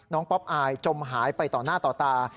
ป๊อปอายจมหายไปต่อหน้าต่อตา